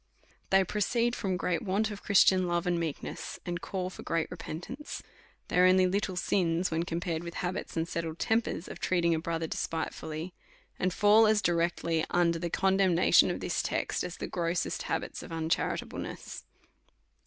They proceed from g reat want of Christian love and meekness, and call for great repentance. They are only little sins when compared with habits and settled tempers of treating a brother despitefully, and x2 308 A SERIOUS CALL TO A fall as directly under the condemnption of this text^ as the a:rossest habits of uncharitableness.